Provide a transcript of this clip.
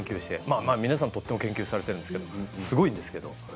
まあ皆さんとっても研究されてるんですけどすごいんですけど。